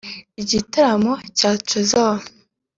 Igitaramo cya Trezzor